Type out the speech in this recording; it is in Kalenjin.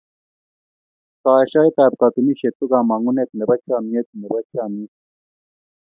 koashoet ab katunisiet ko kamangunet Nebo chamyet Nebo chamyet